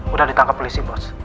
udah ditangkap polisi bos